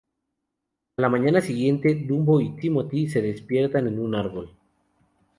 A la mañana siguiente, Dumbo y Timothy se despiertan en un árbol.